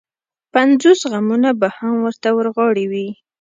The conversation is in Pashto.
پنځوس غمونه به هم ورته ورغاړې وي.